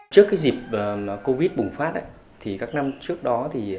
trước cái dịp covid bùng phát thì các năm trước đó